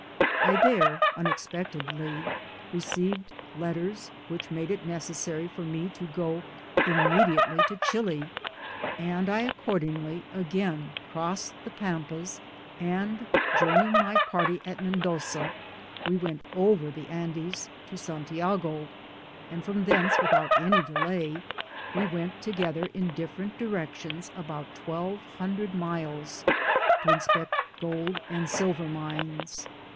I there unexpectedly received letters which made it necessary for me to go im* mediately to Chili, and I accordingly again crossed the Pampas, and, joining my party at Mendoza, we went over the Andes to Santiago, and from thence, without any de lay, we went together in different (firection$ about twelve hundred miles, to inspect gold and silver mines.